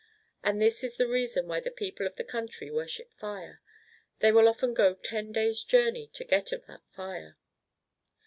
And this is the reason why the people of this country worship fire. They will often go ten days' journey to get of that fire.